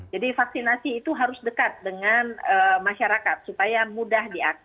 jadi vaksinasi itu harus dekat dengan masyarakat supaya mudah diakses